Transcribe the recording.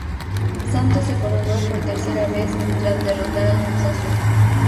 Santos se coronó por tercera vez tras derrotar al Cruz Azul.